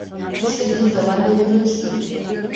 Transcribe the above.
İstediğin zaman gelebilirsin.